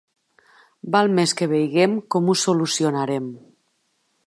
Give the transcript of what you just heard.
Val més que vegem com ho solucionarem.